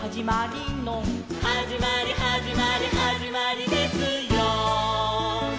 「はじまりはじまりはじまりですよ」